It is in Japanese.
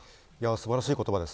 素晴らしい言葉です。